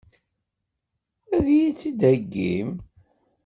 Ad iyi-tt-id-theggim?